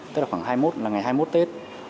tức là khoảng ngày hai mươi một tết